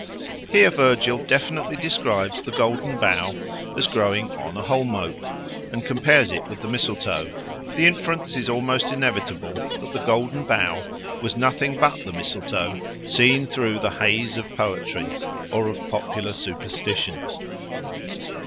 Here Virgil definitely describes the Golden Bough as growing on a holm oak, and compares it with the mistletoe. The inference is almost inevitable that the Golden Bough was nothing but the mistletoe seen through the haze of poetry or of popular superstition.